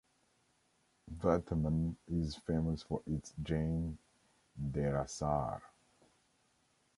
Vataman is famous for its Jain "derasar".